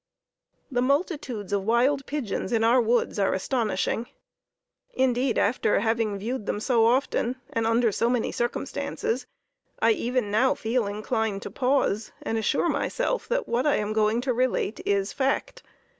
The multitudes of wild pigeons in our woods are astonishing. Indeed, after having viewed them so often, and under so many circumstances, I even now feel inclined to pause, and assure myself that what I am going to relate is fact.